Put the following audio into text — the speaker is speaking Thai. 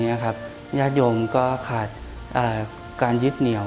ญาติโยมก็ขาดการยึดเหนียว